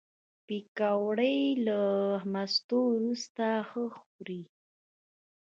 پکورې له مستو وروسته ښه خوري